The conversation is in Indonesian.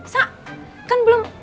sa kan belum